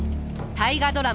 大河ドラマ